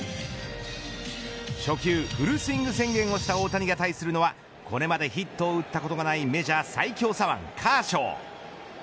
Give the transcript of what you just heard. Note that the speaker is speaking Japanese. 初球フルスイング宣言をした大谷が対するのはこれまでヒットを打ったことがないメジャー最強左腕カーショー。